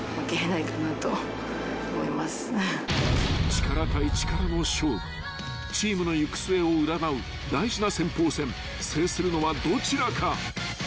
［力対力の勝負チームの行く末を占う大事な先鋒戦制するのはどちらか］